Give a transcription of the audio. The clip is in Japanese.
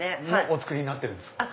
お作りになってるんですか？